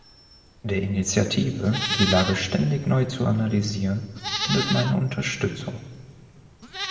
Der Initiative, die Lage ständig neu zu analysieren, findet meine Unterstützung.